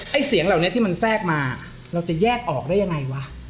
เสียงเหล่านี้ที่มันแทรกมาเราจะแยกออกได้ยังไงวะ